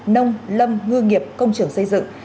nông lâm ngư nghiệp công trường xây dựng